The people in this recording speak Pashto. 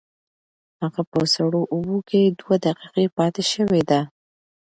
هغه په سړو اوبو کې دوه دقیقې پاتې شوې ده.